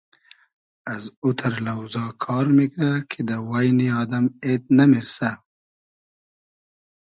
از اوتئر لۆزا کار میگرۂ کی دۂ واینی آدئم اېد نئمیرسۂ